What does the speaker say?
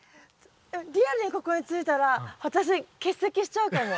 えっリアルにここについたら私欠席しちゃうかも次。